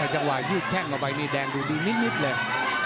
จังหวะยืดแข้งเข้าไปนี่แดงดูดีนิดเลย